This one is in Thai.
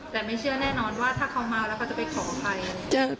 แต่ไม่เชื่อแน่นอนว่าถ้าเขามาแล้วเขาจะไปขออภัย